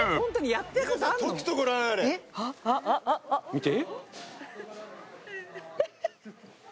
見て。